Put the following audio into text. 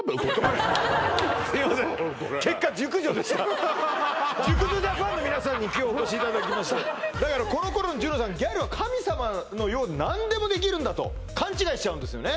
すいません結果熟女でしたの皆さんに今日はお越しいただきましたこの頃のＪＵＮＯＮさんギャルは神様のようで何でもできるんだと勘違いしちゃうんですよね